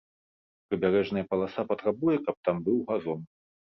Прыбярэжная паласа патрабуе, каб там быў газон.